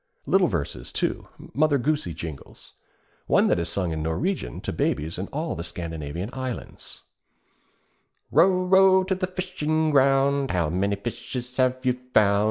Little verses, too, Mother Goosey jingles; one that is sung in Norwegian to babies in all the Scandinavian lands: Row, row to the fishing ground, How many fishes have you found?